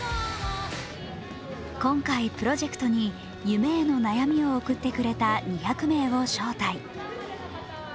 今回、プロジェクトに夢への悩みを送ってくれた２００名を招待。